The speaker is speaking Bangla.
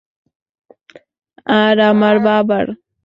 আর আমার বাবার।